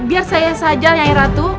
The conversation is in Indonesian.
biar saya saja nyanyi ratu